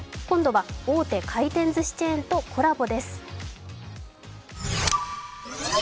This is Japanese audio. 今度は大手回転ずしチェーンとコラボです。